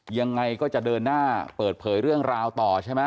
ยังไงก็จะเดินหน้าเปิดเผยเรื่องราวต่อใช่ไหม